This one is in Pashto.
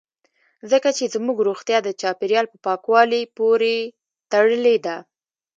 ځکه چې زموږ روغتیا د چاپیریال په پاکوالي پورې تړلې ده